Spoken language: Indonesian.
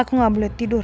aku gak boleh tidur